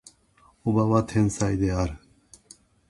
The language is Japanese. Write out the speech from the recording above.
叔母は天才である